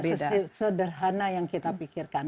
itu sederhana yang kita pikirkan